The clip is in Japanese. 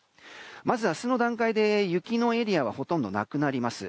明日の段階で雪のエリアはほとんどなくなります。